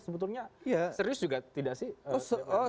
sebetulnya serius juga tidak sih